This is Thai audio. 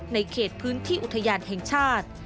ในพื้นที่อุทยานแห่งชาติ